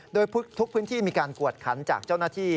โดยทุกพื้นที่มีการกวดขันจากเจ้าหน้าที่